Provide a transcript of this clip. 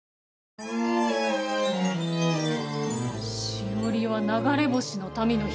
しおりは流れ星の民の姫。